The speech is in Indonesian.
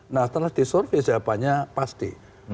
nah setelah disurvey jawabannya pasti